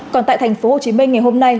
còn tại thành phố hồ chí minh ngày hôm nay